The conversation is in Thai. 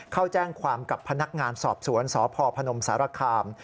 เข้าแจ้งความกับพนักงานสอบสวนสพพนมสารคาม